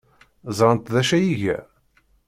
Ẓrant d acu ay iga?